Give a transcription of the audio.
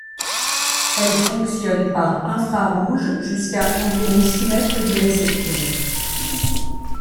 Elle fonctionne par infrarouge jusqu'à environ six mètres du récepteur.